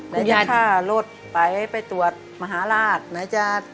แล้วถ้าลดไปไปตรวจมหาลาศนะจ้ะ